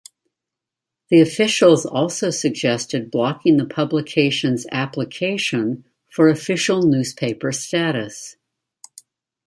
The officials also suggested blocking the publication's application for official newspaper status.